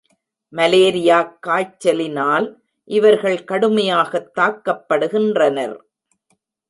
மலேரியாக் காய்ச்சலினால் இவர்கள் கடுமையாகத் தாக்கப்படுகின்றனர்.